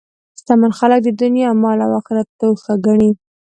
شتمن خلک د دنیا مال د آخرت توښه ګڼي.